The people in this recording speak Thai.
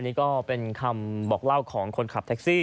อันนี้ก็เป็นคำบอกเบียบของคนขับแต็คซี่